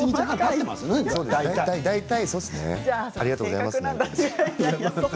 ありがとうございます。